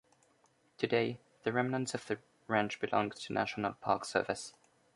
Today the remnants of the ranch belong to National Park Service.